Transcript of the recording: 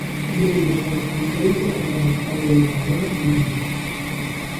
Membro correspondente da Real Academia Galega da Lingua.